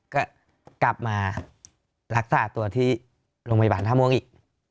ก็กลับมารักษาตัวที่โรงพยาบาลท่าม่วงอีก